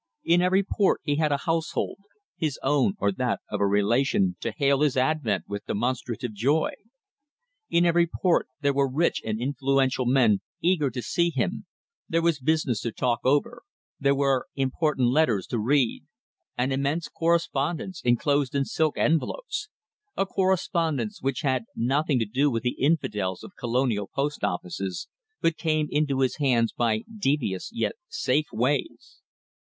In every port he had a household his own or that of a relation to hail his advent with demonstrative joy. In every port there were rich and influential men eager to see him, there was business to talk over, there were important letters to read: an immense correspondence, enclosed in silk envelopes a correspondence which had nothing to do with the infidels of colonial post offices, but came into his hands by devious, yet safe, ways.